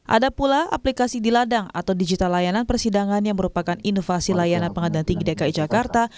ada pula aplikasi di ladang atau digital layanan persidangan yang merupakan inovasi layanan pengadilan tinggi dki jakarta